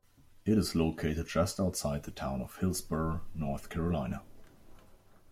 It is located just outside the town of Hillsborough, North Carolina.